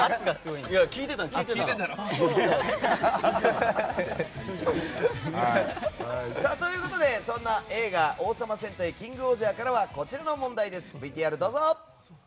聞いてたの。ということで、そんな映画「王様戦隊キングオージャー」からはこちらの問題です。